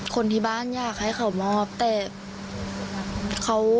คนที่บ้านอยากให้เขามอบแต่เขา